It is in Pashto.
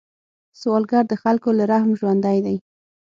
سوالګر د خلکو له رحم ژوندی دی